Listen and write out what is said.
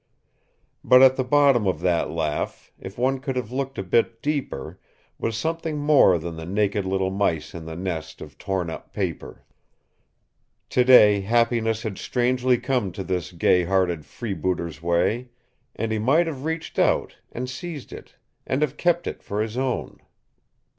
But at the bottom of that laugh, if one could have looked a bit deeper, was something more than the naked little mice in the nest of torn up paper. Today happiness had strangely come this gay hearted freebooter's way, and he might have reached out, and seized it, and have kept it for his own.